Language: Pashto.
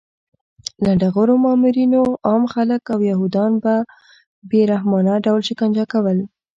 لنډغرو مامورینو عام خلک او یهودان په بې رحمانه ډول شکنجه کول